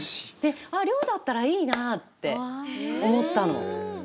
亮だったらいいなって思ったの。